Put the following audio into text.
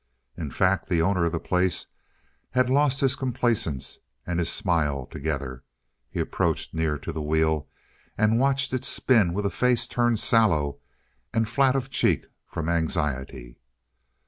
In fact, the owner of the place had lost his complacence and his smile together. He approached near to the wheel and watched its spin with a face turned sallow and flat of cheek from anxiety.